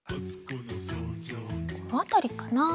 このあたりかな？